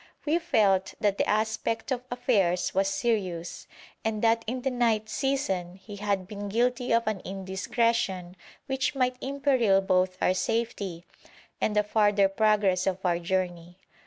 We felt that the aspect of affairs was serious, and that in the night season he had been guilty of an indiscretion which might imperil both our safety and the farther progress of our journey.